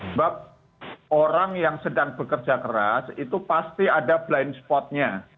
sebab orang yang sedang bekerja keras itu pasti ada blind spotnya